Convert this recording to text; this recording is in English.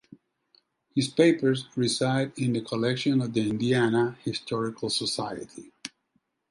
His papers reside in the collection of the Indiana Historical Society.